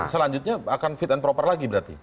selanjutnya akan fit and proper lagi berarti